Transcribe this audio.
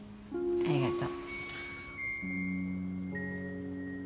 ありがとう。